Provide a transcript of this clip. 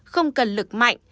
không cần lực mạnh